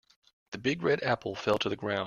The big red apple fell to the ground.